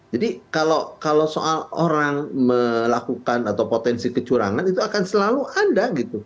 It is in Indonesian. jadi kalau soal orang melakukan atau potensi kecurangan itu akan selalu ada